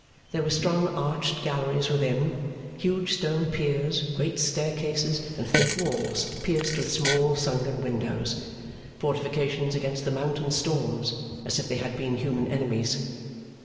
There were strong arched galleries within, huge stone piers, great staircases, and thick walls pierced with small sunken windows fortifications against the mountain storms, as if they had been human enemies.